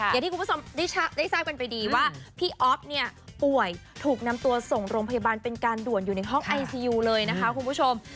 อย่างที่คุณผู้ชมได้ทราบกันไปดีว่าพี่อ๊อฟเนี่ยป่วยถูกนำตัวส่งโรงพยาบาลเป็นการด่วนอยู่ในห้องไอซียูเลยนะคะคุณผู้ชม